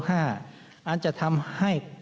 อาจจะทำให้